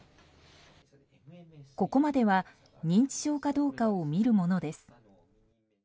ここまでは認知症かどうかを診るものです。